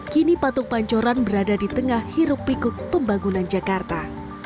kini patung pancoran berada di tengah hiruk pikuk pembangunan jakarta